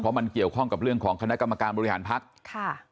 มันเกี่ยวข้องกับเรื่องของคณะกรรมการบริหารพักค่ะ